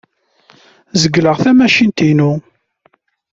Zegleɣ tamacint-inu.